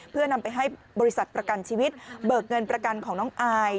เพื่อนำไปให้บริษัทประกันชีวิตเบิกเงินประกันของน้องอาย